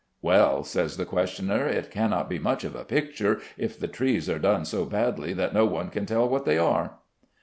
"Well," says the questioner, "it cannot be much of a picture if the trees are done so badly that no one can tell what they are."